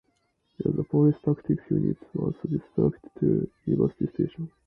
The Police Tactical Unit was dispatched to University Station.